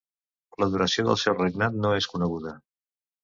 La duració del seu regnat no és coneguda.